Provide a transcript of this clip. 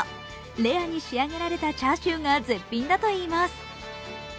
レアに仕上げられたチャーシューが絶品だといいます。